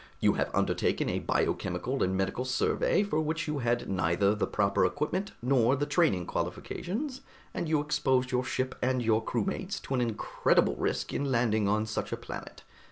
You have undertaken a biochemical and medical survey for which you had neither the proper equipment nor the training qualifications, and you exposed your ship and your crewmates to an incredible risk in landing on such a planet.